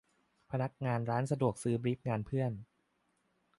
พนักงานร้านสะดวกซื้อบรีฟงานเพื่อน